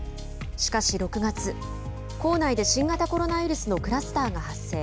しかし６月校内で新型コロナウイルスのクラスターが発生。